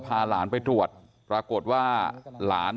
พี่สาวอายุ๗ขวบก็ดูแลน้องดีเหลือเกิน